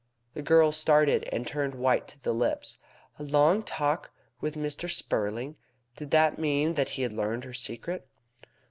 The girl started, and turned white to the lips. A long talk with Mr. Spurling! Did that mean that he had learned her secret?